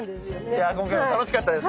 いや今回も楽しかったです。